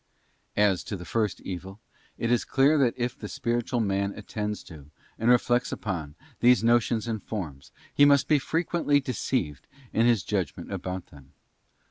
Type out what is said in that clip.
As to the first evil, it is clear that if the spiritual man attends to, and reflects upon, these notions and forms, he must be frequently deceived in his judgment about them.